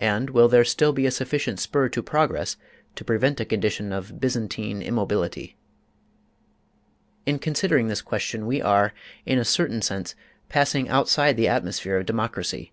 And will there still be a sufficient spur to progress to prevent a condition of Byzantine immobility? In considering this question we are, in a certain sense, passing outside the atmosphere of democracy.